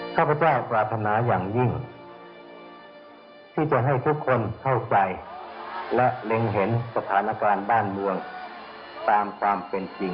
ข้าพเจ้าปรารถนาอย่างยิ่งที่จะให้ทุกคนเข้าใจและเล็งเห็นสถานการณ์บ้านเมืองตามความเป็นจริง